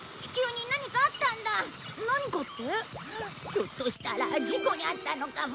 ひょっとしたら事故に遭ったのかも。